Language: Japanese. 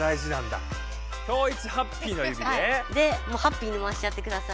でハッピーに回しちゃってください。